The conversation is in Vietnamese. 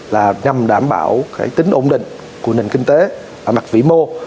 là nhằm đảm bảo cái tính ổn định của nền kinh tế mặt vĩ mô